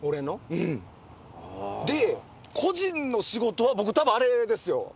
で個人の仕事は僕たぶんあれですよ。